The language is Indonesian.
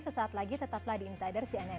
sesaat lagi tetaplah di insider cnn indonesia